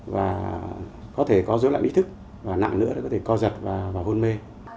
và có thể có dối lại bí thức và nặng nữa có thể co giật và hôn mê